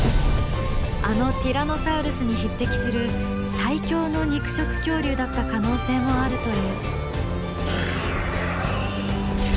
あのティラノサウルスに匹敵する最強の肉食恐竜だった可能性もあるという。